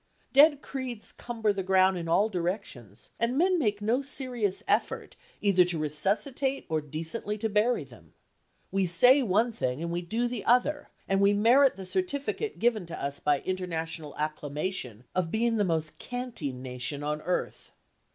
Dead creeds cumber the ground in all directions, and men make no serious effort either to resuscitate or decently to bury them. We say one thing and we do the other, and we merit the certificate given to us by international acclamation, of being the most canting nation on earth.